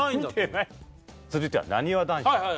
続いてはなにわ男子。